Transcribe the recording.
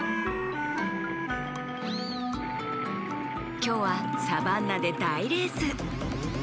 きょうはサバンナでだいレース！